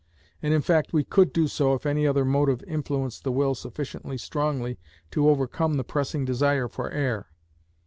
And in fact we could do so if any other motive influenced the will sufficiently strongly to overcome the pressing desire for air.